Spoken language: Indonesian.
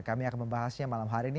kami akan membahasnya malam hari ini